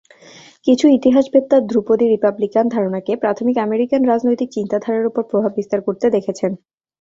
কিছু ইতিহাসবেত্তা ধ্রুপদী রিপাবলিকান ধারণাকে প্রাথমিক আমেরিকান রাজনৈতিক চিন্তাধারার উপর প্রভাব বিস্তার করতে দেখেছেন।